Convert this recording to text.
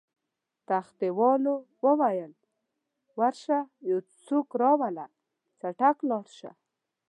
تختې والاو وویل: ورشه یو څوک راوله، چټک لاړ شه.